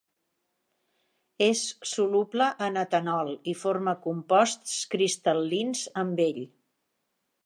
És soluble en etanol i forma composts cristal·lins amb ell.